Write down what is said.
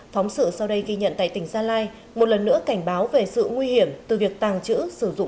phóng sự sau đây ghi nhận tại tỉnh gia lai một lần nữa cảnh báo về sự nguy hiểm từ việc tàng trữ sử dụng